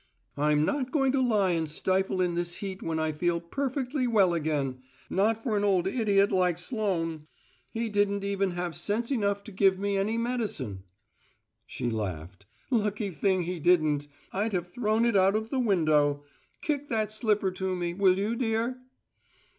"I'm not going to lie and stifle in this heat when I feel perfectly well again not for an old idiot like Sloane! He didn't even have sense enough to give me any medicine." She laughed. "Lucky thing he didn't: I'd have thrown it out of the window. Kick that slipper to me, will you, dear?"